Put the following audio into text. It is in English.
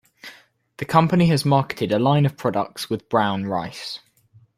The company has marketed a line of products with brown rice.